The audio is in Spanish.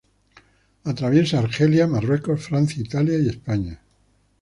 Atraviesa Argelia, Marruecos, Francia, Italia y España.